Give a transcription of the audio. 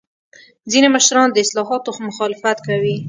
ځینې مشران د اصلاحاتو مخالفت کوي.